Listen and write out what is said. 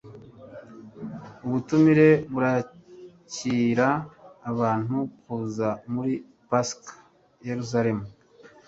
ubutumire burarikira abantu kuza muri pasika i yerusalemu